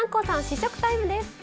試食タイムです。